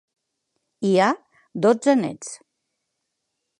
Hi ha dotze néts.